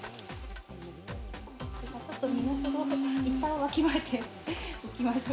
ちょっと２目の一旦わきまえておきましょう。